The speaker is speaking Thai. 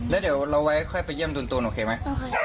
แล้วเดี๋ยวเราไว้ค่อยไปเยี่ยมดูนตูนโอเคไหม